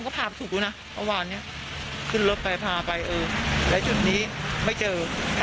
ก็จะงงดูบอลว่าเราก็ล่อถาดให้ได้ตีดีสุดไปซะ